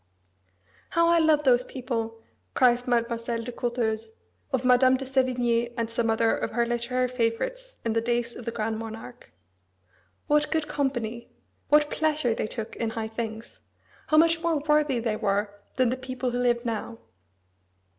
"How I love those people!" cries Mademoiselle de Courteheuse, of Madame de Sévigné and some other of her literary favourites in the days of the Grand Monarch. "What good company! What pleasure they took in high things! How much more worthy they were than the people who live now!"